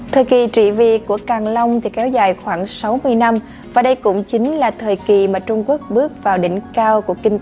thời kỳ trị việc của càng long kéo dài khoảng sáu mươi năm và đây cũng chính là thời kỳ mà trung quốc bước vào đỉnh cao của kinh tế và quân sự